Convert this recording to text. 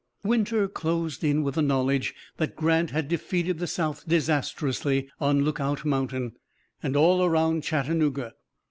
Winter closed in with the knowledge that Grant had defeated the South disastrously on Lookout Mountain and all around Chattanooga.